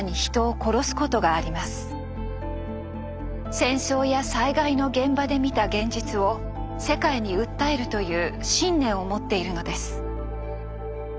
戦争や災害の現場で見た現実を世界に訴えるという信念を持っているのです。